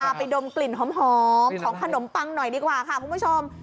ไปดมกลิ่นหอมของขนมปังหน่อยดีกว่าค่ะคุณผู้ชม